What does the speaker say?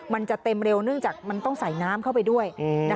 มันจะเต็มเร็วเนื่องจากมันต้องใส่น้ำเข้าไปด้วย